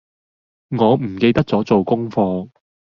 我唔記得咗做功課